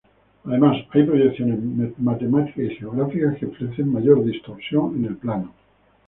Además, hay proyecciones matemáticas y geográficas que ofrecen mayor distorsión en el plano.